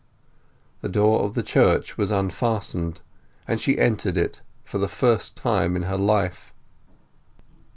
The door of the church was unfastened, and she entered it for the first time in her life.